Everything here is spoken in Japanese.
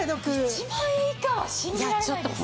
１万円以下は信じられないです。